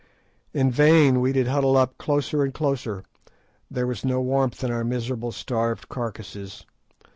In vain did we huddle up closer and closer; there was no warmth in our miserable starved carcases.